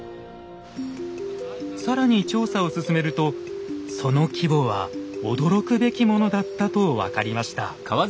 更に調査を進めるとその規模は驚くべきものだったと分かりました。